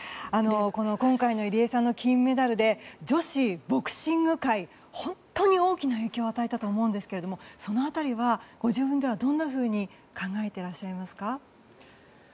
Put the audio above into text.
今回の入江さんの金メダルで女子ボクシング界に本当に大きな影響を与えたと思うんですがその辺りは、ご自分ではどんなふうに考えていらっしゃいますか？